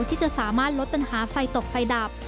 ที่จะสามารถลดปัญหาไฟตกไฟดับ